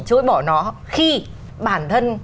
chối bỏ nó khi bản thân